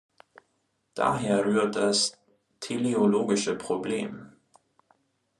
Daher rührt das teleologische Problem.